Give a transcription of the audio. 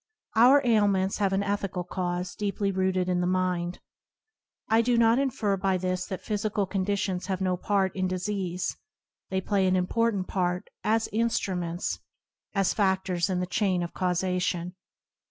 Our ailments have an ethical cause deeply rooted in the mind. I do not infer by this that physical conditions have no part in disease ; they play an important part as instruments, as fa&ors in the chain of causation.